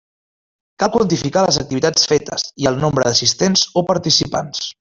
Cal quantificar les activitats fetes i el nombre d'assistents o participants.